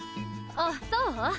あっそう？